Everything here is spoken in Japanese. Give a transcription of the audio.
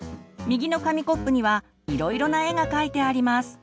右の紙コップにはいろいろな絵が描いてあります。